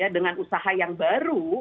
dengan usaha yang baru